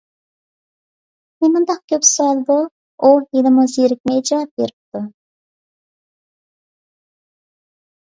نېمانداق كۆپ سوئال بۇ؟ ! ئۇ ھېلىمۇ زېرىكمەي جاۋاب بېرىپتۇ.